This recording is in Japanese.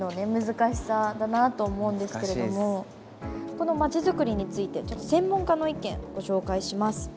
このまちづくりについて専門家の意見ご紹介します。